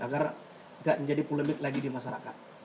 agar tidak menjadi polemik lagi di masyarakat